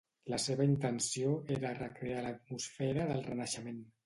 La seva intenció era recrear l'atmosfera del Renaixement.